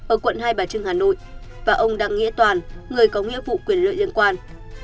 ở quận hai bà trưng hà nội và ông đặng nghĩa toàn người có nghĩa vụ quyền lợi liên quan